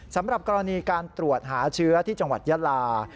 สำหรับกรณีการตรวจหาเชื้อที่จังหวัดยาลา